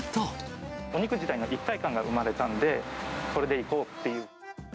お肉自体の一体感が生まれたので、これでいこうという。